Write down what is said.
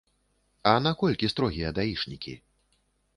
А наколькі строгія даішнікі?